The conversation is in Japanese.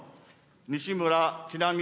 西村智奈美